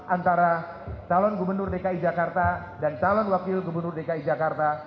antara calon gubernur dki jakarta dan calon wakil gubernur dki jakarta